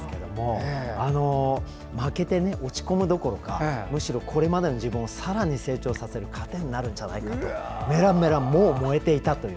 負けて落ち込むどころかむしろこれまでの自分をさらに成長させる糧になるんじゃないかってメラメラ燃えていたという。